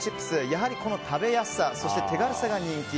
やはり食べやすさ、手軽さが人気。